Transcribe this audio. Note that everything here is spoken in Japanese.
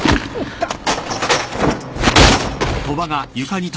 痛っ！